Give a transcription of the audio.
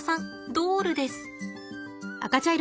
ドールです。